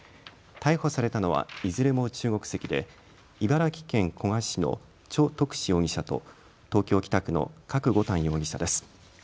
逮捕されたのはいずれも中国籍で茨城県古河市のちょ徳志容疑者と東京北区の郭五端容疑者です。